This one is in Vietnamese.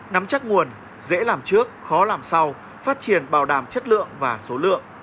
nắm chắc nguồn dễ làm trước khó làm sau phát triển bảo đảm chất lượng và số lượng